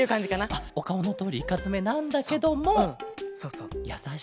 あっおかおのとおりいかつめなんだけどもやさしい。